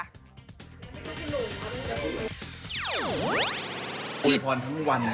วยพรทั้งวัน